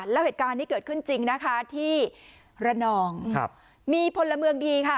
แล้วเหตุการณ์นี้เกิดขึ้นจริงนะคะที่ระนองครับมีพลเมืองดีค่ะ